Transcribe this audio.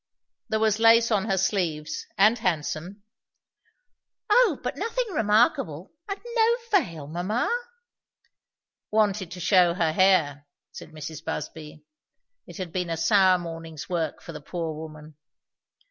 "There was lace on her sleeves and handsome." "O but nothing remarkable. And no veil, mamma?" "Wanted to shew her hair " said Mrs. Busby. It had been a sour morning's work for the poor woman.